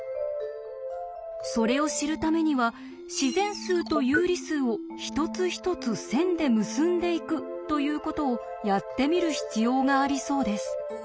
それを知るためには自然数と有理数を一つ一つ線で結んでいくということをやってみる必要がありそうです。